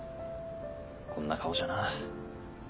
こんな顔じゃな。